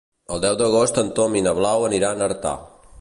El deu d'agost en Tom i na Blau aniran a Artà.